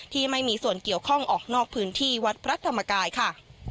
ที่มีส่วนเกี่ยวข้องออกนอกพื้นที่วัดพระธรรมกายค่ะ